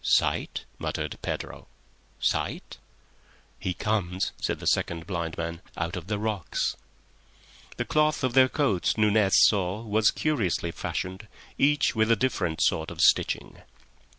"Sight?" muttered Pedro. "Sight?" "He comes," said the second blind man, "out of the rocks." The cloth of their coats, Nunez saw was curious fashioned, each with a different sort of stitching.